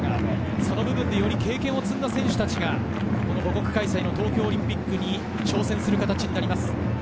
その部分でより経験を積んだ選手達が母国開催の東京オリンピックに挑戦する形になります。